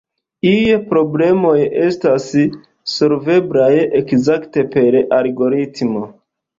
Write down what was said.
Iuj problemoj estas solveblaj ekzakte per algoritmo.